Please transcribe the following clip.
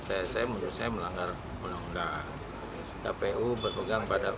tsm selanggar langgar kpu berpegang pada